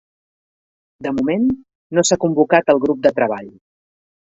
De moment, no s'ha convocat el grup de treball.